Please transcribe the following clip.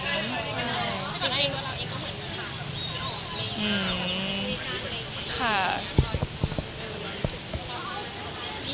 จริง